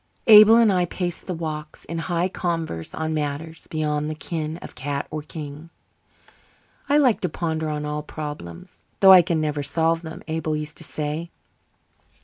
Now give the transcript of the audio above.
Abel and I paced the walks, in high converse on matters beyond the ken of cat or king. "I liked to ponder on all problems, though I can never solve them," Abel used to say.